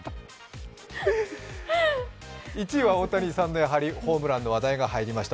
１位は大谷さんのホームランの話題が入りました。